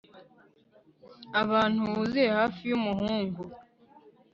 abantu buzuye hafi y'umuhungu